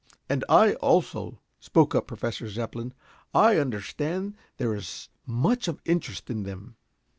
"And I also," spoke up Professor Zepplin. "I understand there is much of interest in them."